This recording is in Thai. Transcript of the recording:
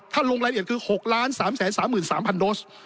ลงรายละเอียดคือ๖๓๓๓๐๐โดส